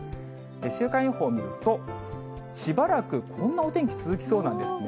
週間予報を見ると、しばらくこんなお天気続きそうなんですね。